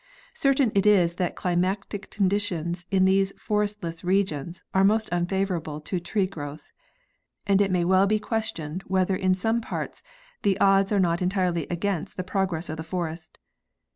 Certain it is that climatic conditions in these forestless regions are most unfavorable to tree growth, and it may well be ques tioned whether in some parts the odds are not entirely against the progress of the forest.